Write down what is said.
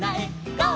「ゴー！